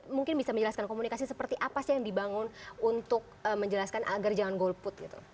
mungkin bisa menjelaskan komunikasi seperti apa sih yang dibangun untuk menjelaskan agar jangan golput gitu